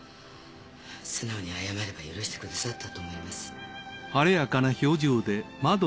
素直に謝れば許してくださったと思います。